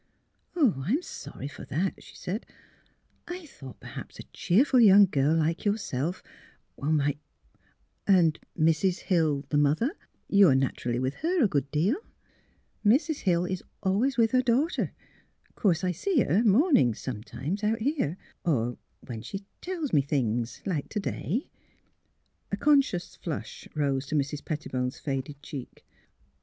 "I'm sorry for that," she said. " I thought per NOT AT HOME TO VISITORS 147 haps a cheerful young girl like yourself ruight — And Mrs. Hill — the mother — you are naturally with her a good deal! "" Mrs. Hill is always with her daughter. Of course I see her, mornings sometimes, out here, or when — when she tells me things, like to day." A conscious flush rose to Mrs. Pettibone's faded cheek.